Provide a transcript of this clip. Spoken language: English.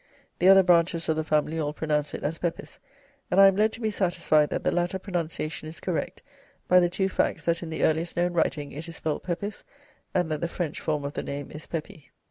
The other branches of the family all pronounce it as 'Peppis,' and I am led to be satisfied that the latter pronunciation is correct by the two facts that in the earliest known writing it is spelt 'Pepis,' and that the French form of the name is 'Pepy.'"